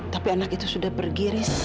tapi anak itu sudah pergi riz